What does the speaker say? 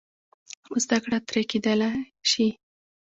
زده کړه ترې کېدای شي.